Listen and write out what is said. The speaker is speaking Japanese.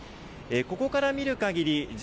ここから見るかぎり